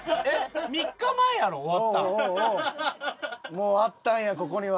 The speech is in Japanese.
もうあったんやここには。